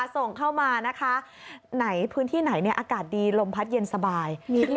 ส่งเข้ามานะคะไหนพื้นที่ไหนอากาศดีลมพัดเย็นสบาย